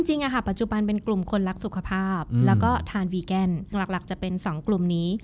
จริงปัจจุบันเป็นกลุ่มคนรักสุขภาพแล้วก็ทานวีแกนหลักจะเป็น๒กลุ่มนี้